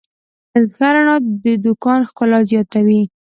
ښه رڼا د دوکان ښکلا زیاتوي.